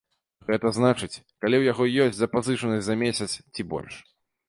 Гэта значыць, калі ў яго ёсць запазычанасць за месяц ці больш.